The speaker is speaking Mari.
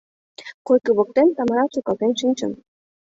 Койко воктен Тамара сукалтен шинчын.